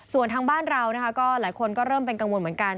ส่วนทางบ้านเรานะคะก็หลายคนก็เริ่มเป็นกังวลเหมือนกัน